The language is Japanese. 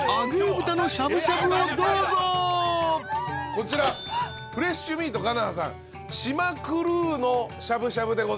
こちらフレッシュミートがなはさん島黒のしゃぶしゃぶです。